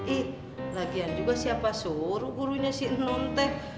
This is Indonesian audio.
ih lagian juga siapa suruh gurunya si nontek